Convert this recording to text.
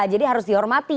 jadi harus dihormati